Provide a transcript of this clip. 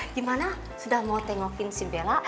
gimana sudah mau tengokin si bella